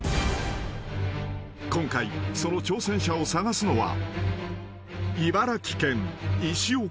［今回その挑戦者を探すのは］